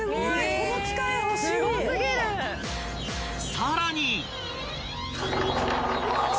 ［さらに］